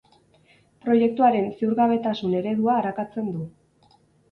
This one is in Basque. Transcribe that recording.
Proiektuaren ziurgabetasun eredua arakatzen du.